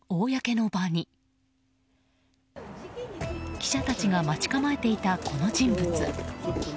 記者たちが待ち構えていたこの人物。